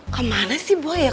kemana sih boy ya